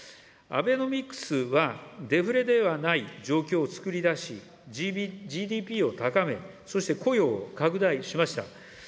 アベノミクスは、デフレではない状況をつくり出し、ＧＤＰを高め、そして、雇用を拡大しました。